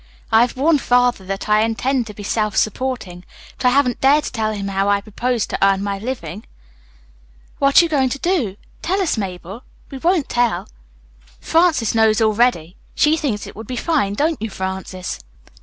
I have warned Father that I intend to be self supporting, but I haven't dared to tell him how I propose to earn my living." "What are you going to do? Tell us, Mabel. We won't tell." "Frances knows already. She thinks it would be fine, don't you, Frances?"